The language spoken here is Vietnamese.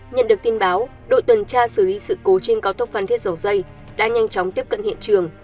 nhận được tin báo đội tuần tra xử lý sự cố trên cao tốc phan thiết dầu dây đã nhanh chóng tiếp cận hiện trường